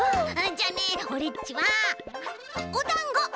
じゃあねオレっちはおだんごください。